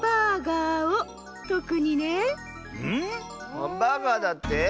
ハンバーガーだって？